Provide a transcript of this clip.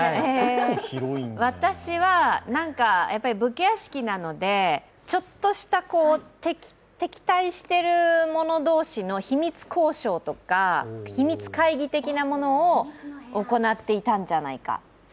私は武家屋敷なのでちょっとした敵対してるもの同士の秘密交渉とか、秘密会議的なものを行っていたんじゃないか。